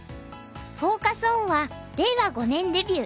フォーカス・オンは「令和五年デビュー！